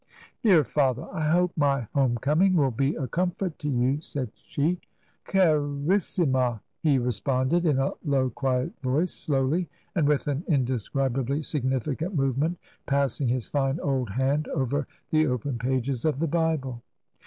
" Dear father ! I hope my home coming will be a comfort to you !" said she. " Carissifna f* he responded in a low, quiet voice, slowly and with an indescribably significant movement passing his fine old hand over the open pages of the Bible.